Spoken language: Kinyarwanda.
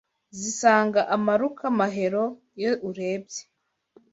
Zisanga amaruka Mahero iyo urebye